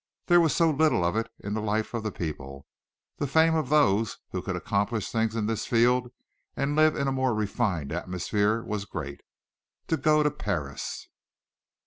There was so little of it in the life of the people the fame of those who could accomplish things in this field and live in a more refined atmosphere was great. To go to Paris!